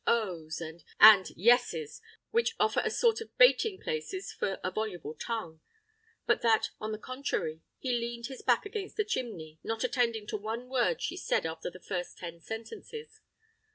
ohs!_ and yes es, which offer a sort of baiting places for a voluble tongue; but that, on the contrary, he leaned his back against the chimney, not attending to one word she said after the first ten sentences.